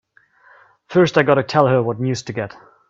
First I gotta tell her what news to get!